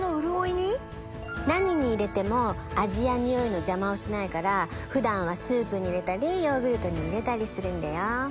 何に入れても味や匂いの邪魔をしないから普段はスープに入れたりヨーグルトに入れたりするんだよ。